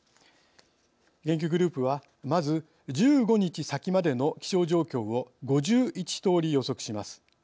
研究グループはまず１５日先までの気象状況を５１通り予測します。